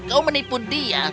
kau menipu dia